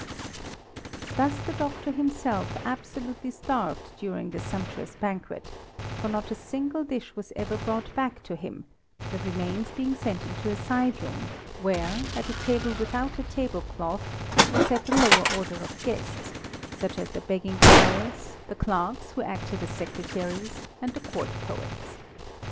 Thus the doctor himself absolutely starved during the sumptuous banquet, for not a single dish was ever brought back to him, the remains being sent into a side room, where, at a table without a table cloth, sat the lower order of guests, such as the begging friars, the clerks who acted as secretaries, and the court poets.